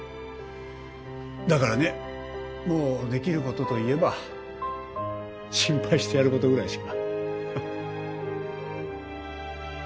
だからねもうできることと言えば心配してやることぐらいしか。